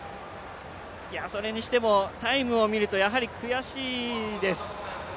それにしても、タイムを見るとやはり悔しいです。